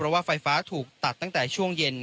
เพราะว่าไฟฟ้าถูกตัดตั้งแต่ช่วงเย็น